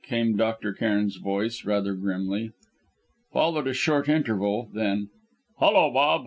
came Dr. Cairn's voice, rather grimly. Followed a short interval; then "Hullo, Rob!